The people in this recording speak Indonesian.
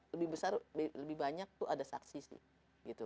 lebih besar lebih banyak itu ada saksi sih